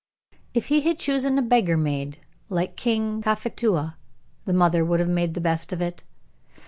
If he had chosen a beggar maid, like King Cophetua, the mother would have made the best of it.